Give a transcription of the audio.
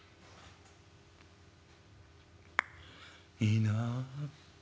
「いいなあ。